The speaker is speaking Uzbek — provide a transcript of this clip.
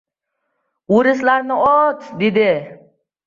O‘rislarni ot, dedi.